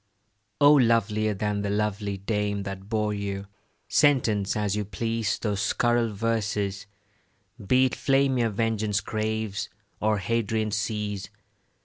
O lovelier than the lovely dame That bore you, sentence as you please Those scurril verses, be it flame Your vengeance craves, or Hadrian seas.